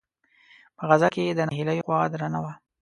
په غزل کې یې د ناهیلیو خوا درنه وه.